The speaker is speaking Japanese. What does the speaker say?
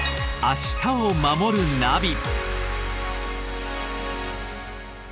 「明日をまもるナビ」